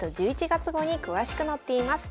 １１月号に詳しく載っています。